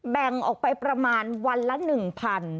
แบ่งออกไปประมาณวันละ๑๐๐บาท